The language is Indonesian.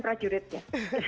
kita prajurit ya